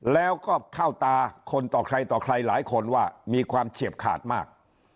แล้วก็เข้าตาคนต่อใครต่อใครหลายคนว่ามีความเฉียบขาดมาก